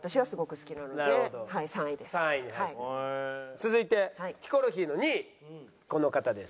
続いてヒコロヒーの２位この方です。